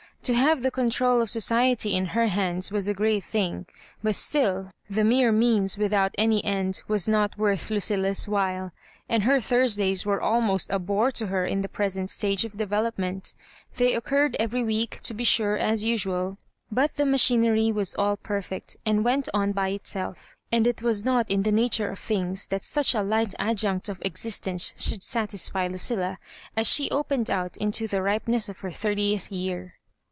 To have the control of society in her hands was a great thing; but still the mere means, without any end, was not worth Lucilla's while — and her Thursdays w^re almost a bore to her in her present stage of development They occurred every week, to be sure, as usual ; but Digitized by VjOOQIC iU MISS MABJORIBAKES. the machinery was all perfect, and went on by itself, and it was not in the nature of things that Bucn a light adjunct of existence should satisfy Lucilla, as she opened out into the ripeness of her thirtieth year.